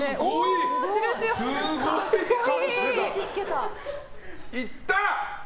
すごい。いった！